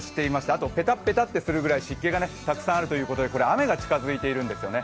あとぺたぺたとするくらい湿気がたくさんあるということで雨が近づいているんですよね。